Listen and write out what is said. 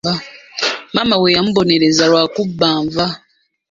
Maama we yamubonereza lwa kubba nva.